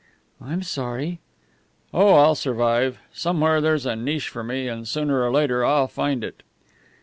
"I'm sorry." "Oh, I'll survive! Somewhere there's a niche for me, and sooner or later I'll find it."